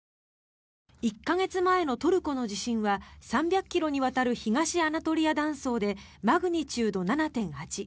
１か月前のトルコの地震は３００ｋｍにわたる東アナトリア断層でマグニチュード７．８。